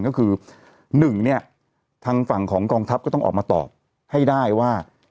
ก็คือ๑เนี่ยทางฝั่งของกองทัพก็ต้องออกมาตอบให้ได้ว่า